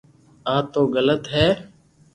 آ تو غلط ھي